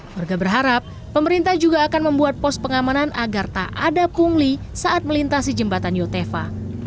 warga berharap pemerintah juga akan membuat pos pengamanan agar tak ada pungli saat melintasi jembatan yotefa